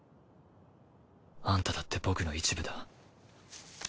アンタだって僕の一部だ。